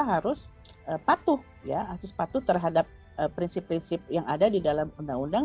swasta harus patuh terhadap prinsip prinsip yang ada di dalam undang undang